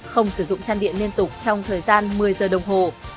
không sử dụng chăn điện liên tục trong thời gian một mươi giờ đồng hồ